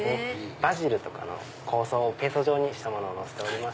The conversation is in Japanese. バジルとかの香草をペーストにしたものをのせてます。